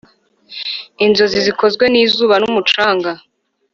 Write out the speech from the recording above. inzozi zikozwe n'izuba n'umucanga.